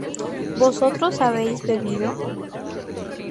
¿vosotros habéis bebido?